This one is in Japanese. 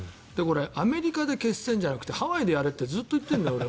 アメリカで決戦じゃなくてハワイでやれってずっと言ってるんだよ。